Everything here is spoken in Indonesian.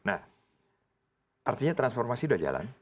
nah artinya transformasi sudah jalan